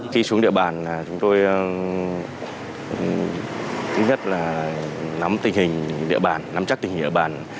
khi xuống địa bàn chúng tôi thứ nhất là nắm tình hình địa bàn nắm chắc tình hình địa bàn